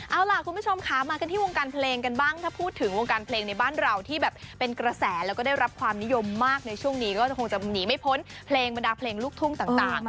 เอาล่ะคุณผู้ชมค่ะมากันที่วงการเพลงกันบ้างถ้าพูดถึงวงการเพลงในบ้านเราที่แบบเป็นกระแสแล้วก็ได้รับความนิยมมากในช่วงนี้ก็คงจะหนีไม่พ้นเพลงบรรดาเพลงลูกทุ่งต่าง